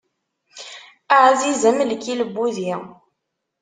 Aɛziz am lkil n wudi.